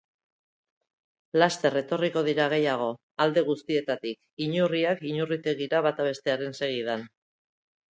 Laster etorriko dira gehiago, alde guztietatik, inurriak inurritegira bata bestearen segidan.